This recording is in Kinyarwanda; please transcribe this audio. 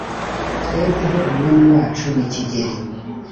Twebwe ho Umwami wacu ni Kigeli,